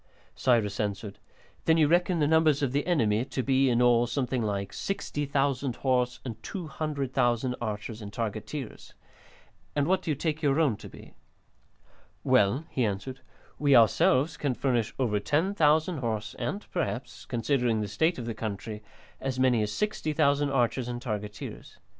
Cyrus answered: "Then you reckon the numbers of the enemy to be, in all, something like 60,000 horse and 200,000 archers and targeteers. And what do you take your own to be?" "Well," he answered, "we ourselves can furnish over 10,000 horse and perhaps, considering the state of the country, as many as 60,000 archers and targeteers.